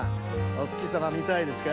おつきさまみたいですか？